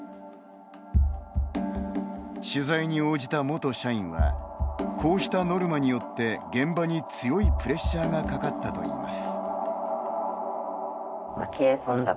取材に応じた元社員はこうしたノルマによって現場に強いプレッシャーがかかったといいます。